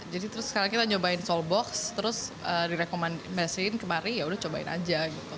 jadi terus sekarang kita nyobain soul box terus direkomendasiin kemari yaudah cobain aja gitu